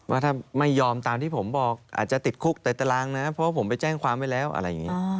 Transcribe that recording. ว่าถ้าไม่ยอมตามที่ผมบอกอาจจะติดคุกแต่ตารางนะเพราะว่าผมไปแจ้งความไว้แล้วอะไรอย่างนี้